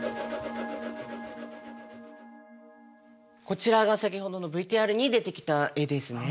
こちらが先ほどのＶＴＲに出てきた絵ですね。